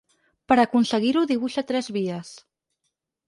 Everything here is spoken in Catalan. Per aconseguir-ho dibuixa tres vies.